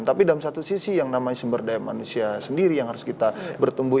tapi dalam satu sisi yang namanya sumber daya manusia sendiri yang harus kita bertumbuh